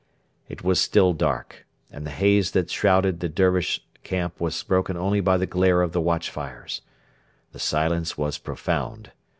It was still dark, and the haze that shrouded the Dervish camp was broken only by the glare of the watch fires. The silence was profound.